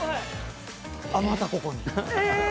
あっまたここに。